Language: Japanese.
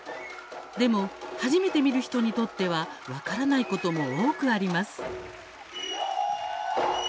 でも初めて見る人にとっては分からないことも多くあります。